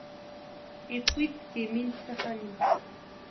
Iwwi-d timint s axxam-is.